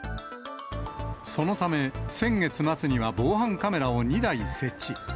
そのため、先月末には防犯カメラを２台設置。